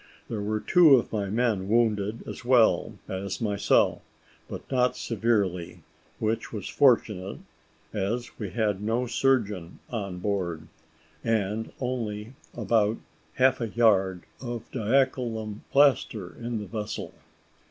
There were two of my men wounded as well as myself, but not severely, which was fortunate, as we had no surgeon on board, and only about half a yard of diachylum plaster in the vessel.